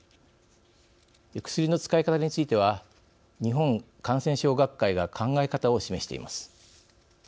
薬の使い方については日本感染症学会が考え方を示しています。